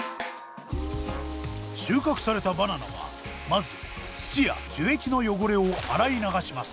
収穫されたバナナはまず土や樹液の汚れを洗い流します。